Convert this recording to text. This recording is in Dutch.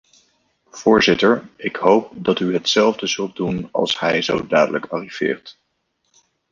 Voorzitter, ik hoop dat u hetzelfde zult doen als hij zo dadelijk arriveert.